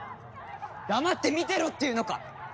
黙って見てろっていうのか！？